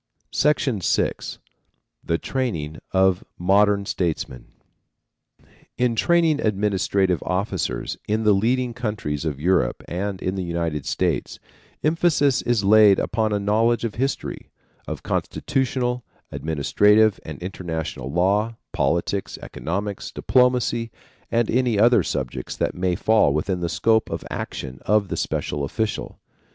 VI. THE TRAINING OF MODERN STATESMEN. In training administrative officers in the leading countries of Europe and in the United States, emphasis is laid upon a knowledge of history, of constitutional, administrative and international law, politics, economics, diplomacy and any other subjects that may fall within the scope of action of the special official.